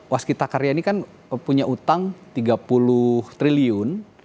waskita karya ini kan punya utang tiga puluh triliun